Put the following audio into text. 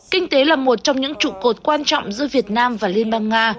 kinh tế là một trong những trụ cột quan trọng giữa việt nam và liên bang nga